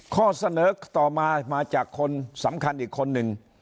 ข้อเสนอต่อมามาจากคนสำคัญอีกคนนึง